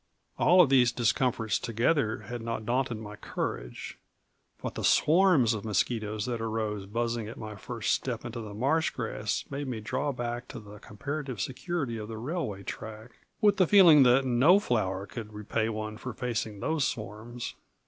All of these discomforts together had not daunted my courage; but the swarms of mosquitoes that arose buzzing at my first step into the marsh grass made me draw back to the comparative security of the railway track, with the feeling that no flower could repay one for facing those swarms.